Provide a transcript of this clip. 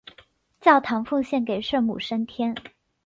教堂奉献给圣母升天。